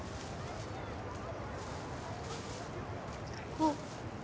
あっ。